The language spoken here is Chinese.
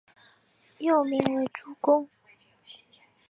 幼名为珠宫。